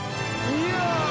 いや！